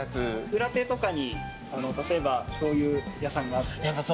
裏手とかに例えば醤油屋さんがあって。